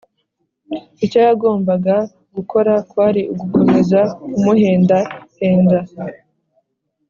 icyo yagombaga gukora kwari ugukomeza kumuhenda henda